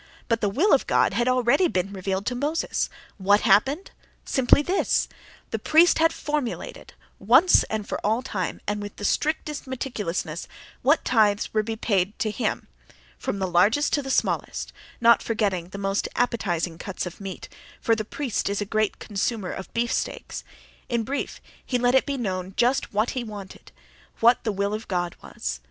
But the "will of God" had already been revealed to Moses.... What happened? Simply this: the priest had formulated, once and for all time and with the strictest meticulousness, what tithes were to be paid to him, from the largest to the smallest (—not forgetting the most appetizing cuts of meat, for the priest is a great consumer of beefsteaks); in brief, he let it be known just what he wanted, what "the will of God" was....